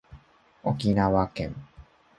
沖縄県